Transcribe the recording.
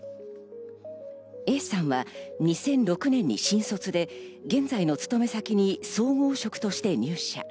Ａさんは２００６年に新卒で現在の勤め先に総合職として入社。